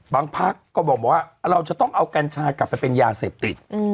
พักก็บอกว่าเราจะต้องเอากัญชากลับไปเป็นยาเสพติด